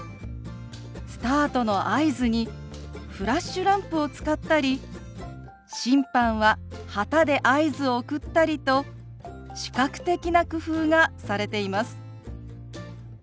スタートの合図にフラッシュランプを使ったり審判は旗で合図を送ったりと視覚的な工夫がされています。